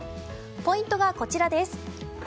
ポイントがこちらです。